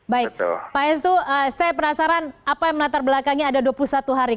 baik pak hestu saya penasaran apa yang melatar belakangnya ada dua puluh satu hari